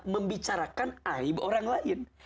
membicarakan aib orang lain